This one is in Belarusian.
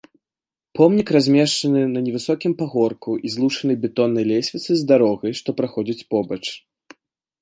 Помнік размешчаны на невысокім пагорку і злучаны бетоннай лесвіцай з дарогай, што праходзіць побач.